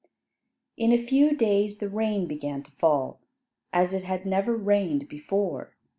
In a few days the rain began to fall, as it had never rained before.